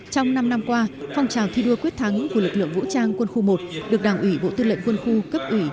trong năm năm qua phong trào thi đua quyết thắng của lực lượng vũ trang quân khu một được đảng ủy bộ tư lệnh quân khu cấp ủy